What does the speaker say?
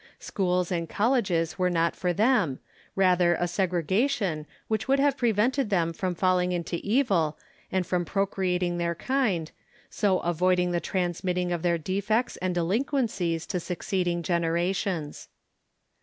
Schools and colleges were not for them, rather a segregation which would have prevented them from falling into evil and from procre ating their kind, so avoiding the transmitting of their defects and delinquencies to succeeding generations.